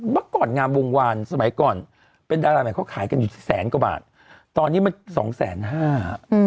เมื่อก่อนงามวงวานสมัยก่อนเป็นดาราใหม่เขาขายกันอยู่แสนกว่าบาทตอนนี้มันสองแสนห้าอืม